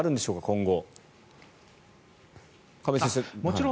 今後。